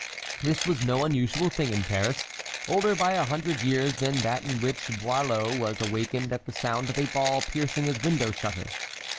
This was no unusual thing in Paris, older by a hundred years than that in which Boileau was awakened at the sound of a ball piercing his window shutter.